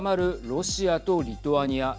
ロシアとリトアニア。